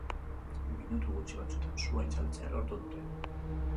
Minutu gutxi batzutan sua itzaltzea lortu dute.